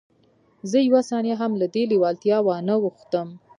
زه یوه ثانیه هم له دې لېوالتیا وانه وښتم